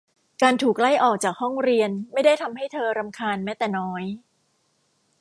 การถูกไล่ออกจากห้องเรียนไม่ได้ทำให้เธอรำคาญแม้แต่น้อย